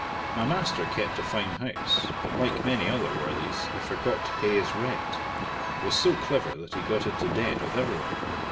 My master kept a fine house, but like many other worthies, he forgot to pay his rent, and was so clever that he got into debt with everyoue.